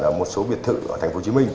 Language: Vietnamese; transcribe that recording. ở một số biệt thự ở thành phố hồ chí minh